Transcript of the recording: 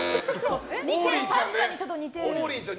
確かにちょっと似てる。